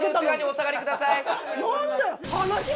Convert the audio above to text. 何だよ。